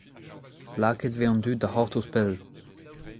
Lakaet e vez an dud da c'hortoz pell.